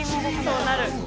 そうなる。